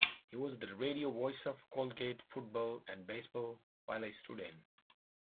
He was the radio voice of Colgate football and baseball while a student.